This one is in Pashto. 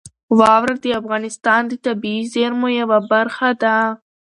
واوره د افغانستان د طبیعي زیرمو یوه برخه ده.